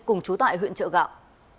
cùng chú tại huyện trợ gạo